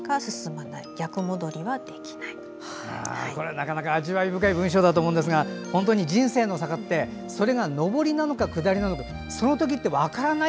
なかなか味わい深い文章だと思いますが本当に人生の坂ってそれが上りなのか下りなのかそのときは分からない。